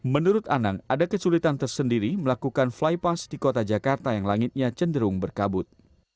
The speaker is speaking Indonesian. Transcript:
menurut anang ada kesulitan tersendiri melakukan flypass di kota jakarta yang langitnya cenderung berkabut